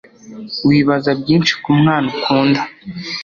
wibaza byinshi ku mwana ukunda